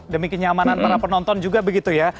demi kenyamanan para penonton juga begitu ya